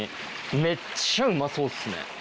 めっちゃうまそうっすね。